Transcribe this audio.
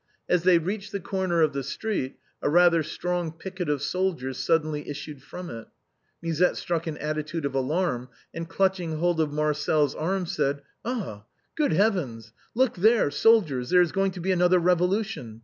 As they reached the corner of a street a rather strong picket of soldiers suddenly issued from it. Musette struck an attitude of alarm, and clutching hold of Marcel's arm, said, "Ah ! good heavens ! look there, sol diers ; there is going to be another revolution.